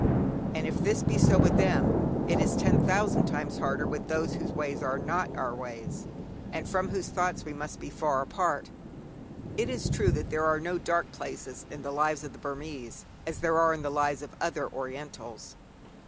And if this be so with them, it is ten thousand times harder with those whose ways are not our ways, and from whose thoughts we must be far apart. It is true that there are no dark places in the lives of the Burmese as there are in the lives of other Orientals.